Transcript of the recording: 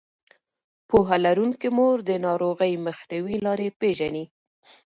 پوهه لرونکې مور د ناروغۍ مخنیوي لارې پېژني.